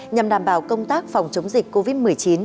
nhằm đảm bảo công tác phòng chống dịch covid một mươi chín